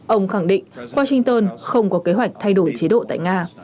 ông khẳng định washington không có kế hoạch thay đổi chế độ tại nga